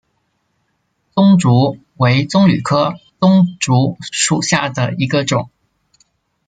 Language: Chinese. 棕竹为棕榈科棕竹属下的一个种。